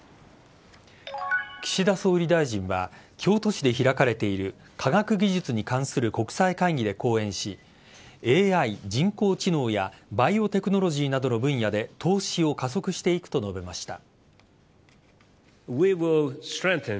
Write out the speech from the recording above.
岸田総理大臣は京都市で開かれている科学技術に関する国際会議で講演しＡＩ＝人工知能やバイオテクノロジーなどの分野で投資を加速していくと述べました。